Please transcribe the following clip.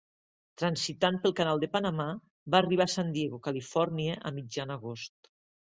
Transitant pel canal de Panamà, va arribar a San Diego, Califòrnia, a mitjan agost.